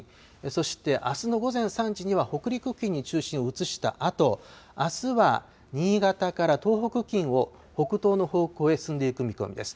そして、あすの午前３時には北陸付近に中心を移したあと、あすは新潟から東北付近を北東の方向へ進んでいく見込みです。